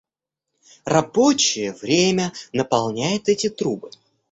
Рабочее время наполняет эти трубы.